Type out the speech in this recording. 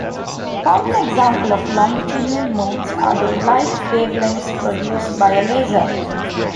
A common example of longitudinal modes are the light wavelengths produced by a laser.